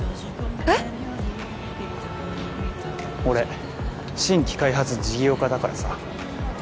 俺新規開発事業課だからさ。